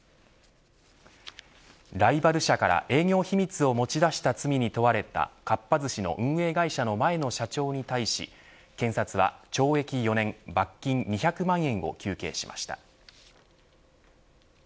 ライバル社から営業秘密を持ち出した罪に問われたかっぱ寿司の運営会社の前の社長に対し検察は、懲役４年罰金２００万円を求刑しました。